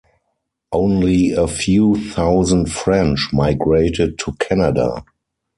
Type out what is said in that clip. Only a few thousand French migrated to Canada.